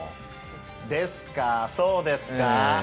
ですか、そうですか。